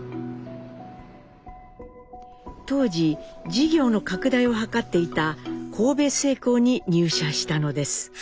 当時事業の拡大を図っていた神戸製鋼に入社したのです。